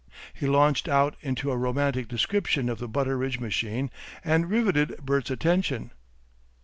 He launched out into a romantic description of the Butteridge machine and riveted Bert's attention.